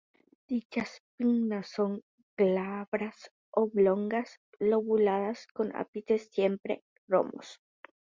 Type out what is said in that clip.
Dichas pinnas son glabras, oblongas, lobuladas, con ápices siempre romos.